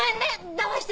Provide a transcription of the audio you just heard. だまして。